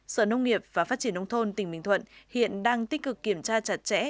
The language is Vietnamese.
sở nông nghiệp và phát triển nông thôn tỉnh bình thuận hiện đang tích cực kiểm tra chặt chẽ